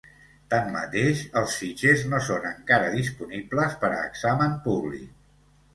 Tanmateix, els fitxers no són encara disponibles per a examen públic.